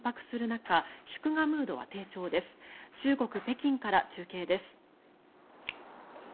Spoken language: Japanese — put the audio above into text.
中国・北京から中継です。